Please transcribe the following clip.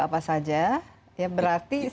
apa saja yang berarti